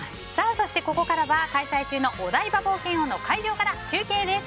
そしてここからは開催中のお台場冒険王の会場から中継です。